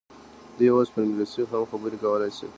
دوی اوس پر انګلیسي هم خبرې کولای شي.